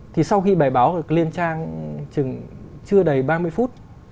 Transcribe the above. thì sau khi bài báo được lên trang chừng chưa đầy ba mươi phút